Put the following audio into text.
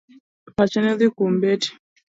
Pache ne odhi kuom Betty.